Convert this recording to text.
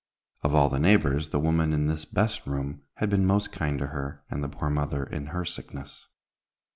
Of all the neighbors, the woman in this best room had been most kind to her and the poor mother in her sickness.